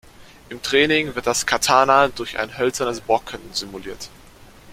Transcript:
Im Training wird das Katana durch ein hölzernes Bokken simuliert.